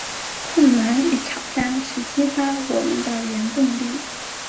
困难与挑战是激发我们的原动力